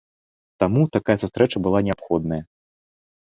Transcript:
Таму такая сустрэча была неабходная.